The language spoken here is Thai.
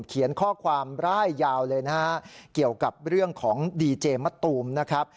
เขียนข้อความร่ายยาวเลยนะฮะเกี่ยวกับเรื่องของดีเจมะตูมนะครับ